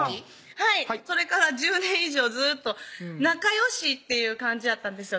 はいそれから１０年以上ずっと仲よしっていう感じやったんですよ